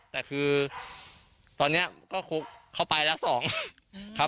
แต่คือตอนนี้เข้าไปละ๒